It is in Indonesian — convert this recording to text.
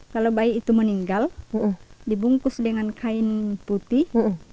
kalau bayi itu meninggal dibungkus dengan kain putih